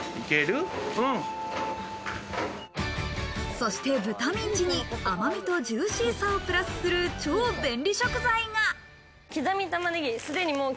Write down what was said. そして豚ミンチに甘みとジューシーさをプラスする超便利食材が。